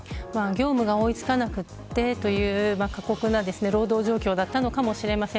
業務が追いつかなくてという過酷な労働状況だったのかもしれません。